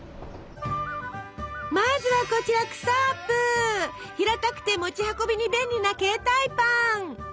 まずはこちら平たくて持ち運びに便利な携帯パン！